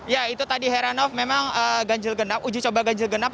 ya itu tadi heran of uji coba ganjil genap